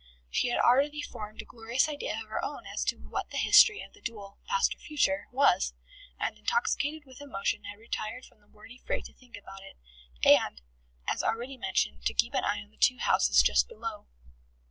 She had already formed a glorious idea of her own as to what the history of the duel (past or future) was, and intoxicated with emotion had retired from the wordy fray to think about it, and, as already mentioned, to keep an eye on the two houses just below.